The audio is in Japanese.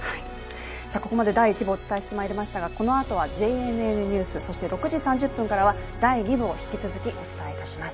ここまで第一部をお伝えしてまいりましたがこのあとはＪＮＮニュース、そして６時３０分からは第二部を引き続きお伝えいたします。